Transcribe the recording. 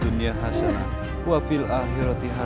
bunda jangan tinggalkan laras bunda